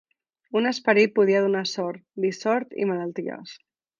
Un esperit podia donar sort, dissort i malalties.